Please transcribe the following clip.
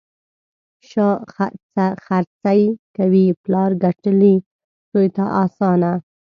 شا خرڅي کوي: پلار ګټلي، زوی ته اسانه.